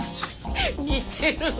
似てるわ。